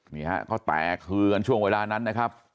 นี่ฮะเขาแตกคือกันช่วงเวลานั้นนะครับ